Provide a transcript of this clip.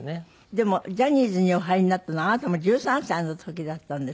でもジャニーズにお入りになったのはあなたも１３歳の時だったんですって？